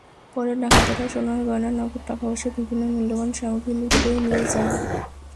পরে ডাকাতেরা সোনার গয়না, নগদ টাকাসহ বিভিন্ন মূল্যবান সামগ্রী লুট করে নিয়ে যায়।